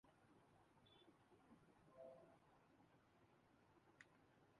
اللہ تعالیٰ نے اس دنیا کو کچھ مادی قواعد و ضوابط کا پابند بنا رکھا ہے